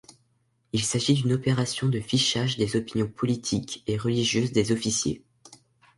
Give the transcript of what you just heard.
Il s'agit d'une opération de fichage des opinions politiques et religieuses des officiers.